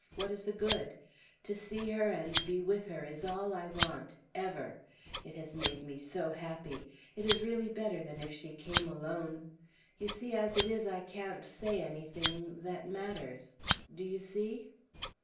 What is the good? To see her and be with her is all I want ever. It has made me so happy. It is really better than if she came alone. You see, as it is, I can't say anything that matters. Do you see?"